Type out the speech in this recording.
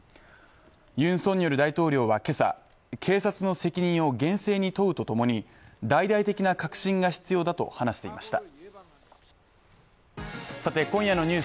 ユン・ソンニョル大統領は今朝警察の責任を厳正に問うとともに大々的な革新が必要だと話していました。